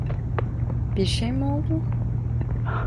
Bir şey mi oldu?